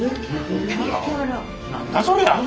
何だそりゃ？